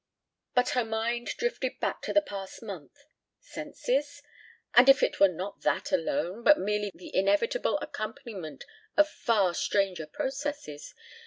... But her mind drifted back to the past month. Senses? And if it were not that alone, but merely the inevitable accompaniment of far stranger processes